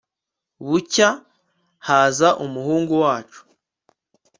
bucya haza umuhungu wacu